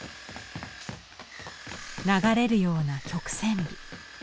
流れるような曲線美。